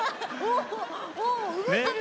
お動いてる！